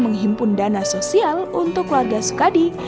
menghimpun dana sosial untuk warga sukadi